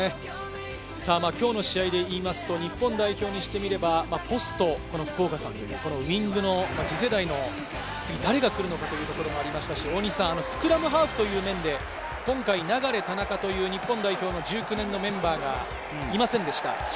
今日の試合でいいますと日本代表にしてみれば、ポスト福岡さんというウイングの次世代に誰が来るのかというところでもありましたし、スクラムハーフという面で今回、流、田中という日本代表のメンバーがいませんでした。